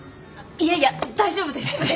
いやいや大丈夫です。